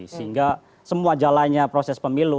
sehingga semua jalannya proses pemilu